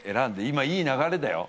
今いい流れだよ。